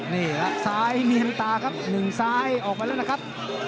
นี่แหละซ้ายเมียนตาครับ๑ซ้ายออกไปแล้วนะครับ